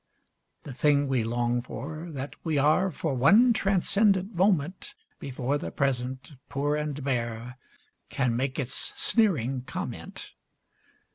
The thing we long for, that we are For one transcendent moment, Before the Present poor and bare Can make its sneering comment.